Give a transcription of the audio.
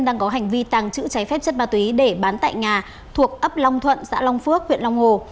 đang có hành vi tàng trữ trái phép chất ma túy để bán tại nhà thuộc ấp long thuận xã long phước huyện long hồ